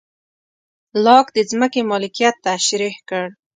لاک د ځمکې مالکیت تشرېح کړ.